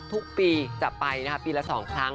ทุกปีจะไปนะคะปีละ๒ครั้ง